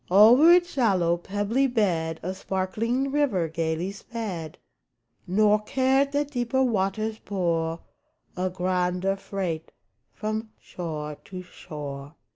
Over its shallow, pebbly bed, A sparkling river gayly sped, Nor cared that deeper waters bore A grander freight from shore to shore.